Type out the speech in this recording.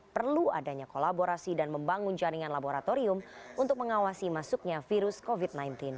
perlu adanya kolaborasi dan membangun jaringan laboratorium untuk mengawasi masuknya virus covid sembilan belas